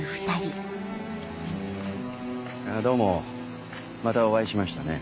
どうもまたお会いしましたね。